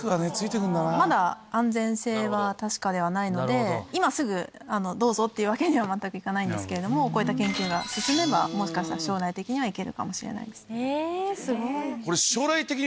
まだ安全性は確かではないので今すぐどうぞっていうわけには全くいかないんですけれどもこういった研究が進めばもしかしたら将来的には行けるかもしれないです。